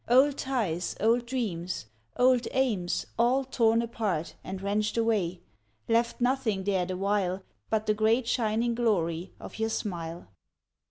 Old ties, old dreams, old aims, all torn apart And wrenched away, left nothing there the while But the great shining glory of your smile.